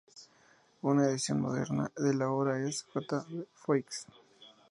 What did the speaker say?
Una edición moderna de la obra es "J. V. Foix.